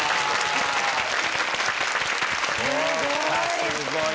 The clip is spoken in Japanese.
すごい！